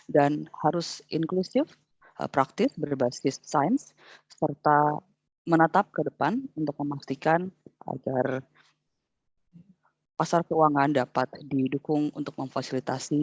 harus inklusif praktis berbasis sains serta menatap ke depan untuk memastikan agar pasar keuangan dapat didukung untuk memfasilitasi